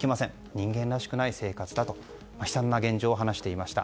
人間らしくない生活だと悲惨な現状を話していました。